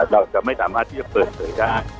เราจะไม่สามารถที่จะเปิดเผยได้